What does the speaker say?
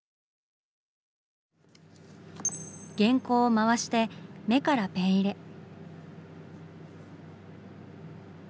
原稿を回して目からペン入れ。